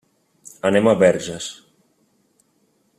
Anem a Verges.